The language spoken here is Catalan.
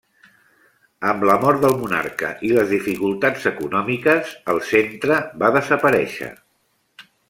Amb la mort del monarca i les dificultats econòmiques, el centre va desaparèixer.